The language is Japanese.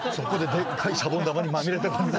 でっかいシャボン玉にまみれて。